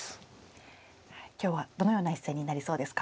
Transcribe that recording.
今日はどのような一戦になりそうですか？